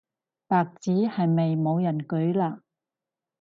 白紙係咪冇人舉嘞